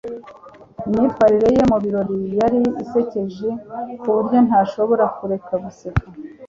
imyitwarire ye mubirori yari isekeje kuburyo ntashobora kureka guseka